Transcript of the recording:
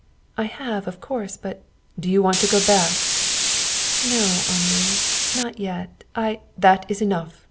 "I have, of course, but " "Do you want to go back?" "No, Henri. Not yet. I " "That is enough.